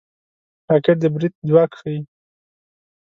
راکټ د برید ځواک ښيي